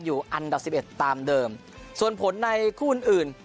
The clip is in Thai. อยู่อันดับสิบเอ็ดตามเดิมส่วนผลในคู่อื่นอื่น